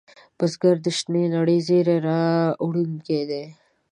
بزګر د شنې نړۍ زېری راوړونکی دی